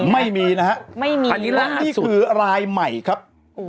ไม่มีนะฮะไม่มีล่าสุดอันนี้คือลายใหม่ครับ